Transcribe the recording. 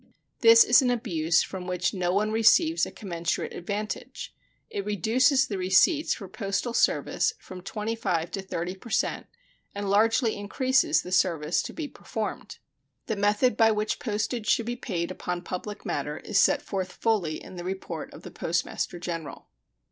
This is an abuse from which no one receives a commensurate advantage; it reduces the receipts for postal service from 25 to 30 per cent and largely increases the service to be performed. The method by which postage should be paid upon public matter is set forth fully in the report of the Postmaster General.